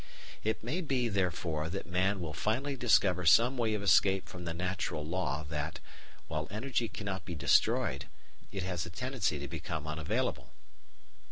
It may be, therefore, that man will finally discover some way of escape from the natural law that, while energy cannot be destroyed, it has a tendency to become unavailable.